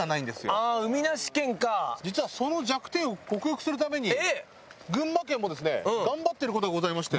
実はその弱点を克服するために群馬県もですね頑張ってる事がございまして。